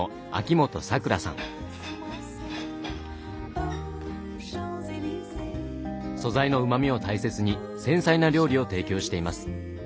素材のうまみを大切に繊細な料理を提供しています。